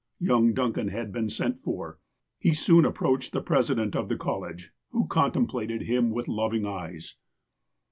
Young Duncan had been sent for. He soon approached the president of the college, who contemplated him with loving eyes.